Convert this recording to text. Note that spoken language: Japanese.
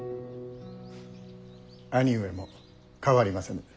兄上も変わりませぬ。